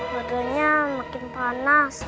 badannya makin panas